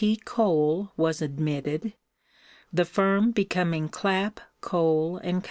P. Cole was admitted, the firm becoming Clap, Cole & Co.